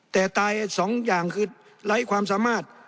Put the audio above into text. แต่ตายสองอย่างคือไร้ความสามารถ